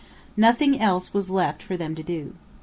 Nothing else was left for them to do.